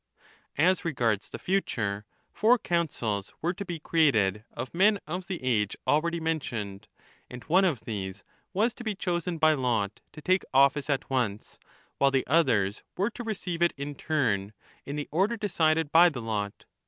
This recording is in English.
1 As regards the future, four Councils were to be created, of men of the age already mentioned, and one of these was to be chosen by lot to take office at once, while the others were to receive it in turn, in the order decided by the lot.